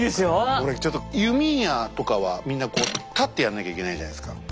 俺ちょっと弓矢とかはみんなこう立ってやんなきゃいけないじゃないですか。